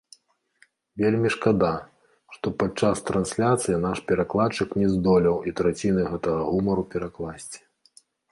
Вельмі шкада, што падчас трансляцыі наш перакладчык не здолеў і траціны гэтага гумару перакласці.